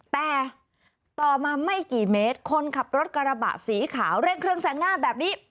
แต่ต่อมาไม่กี่เมตรคนขับรถกระบะสีขาวเร่งเครื่องแซงหน้าแบบนี้